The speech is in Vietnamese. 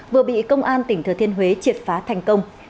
vừa bị công an tỉnh thừa thiên huế triệt phá thành công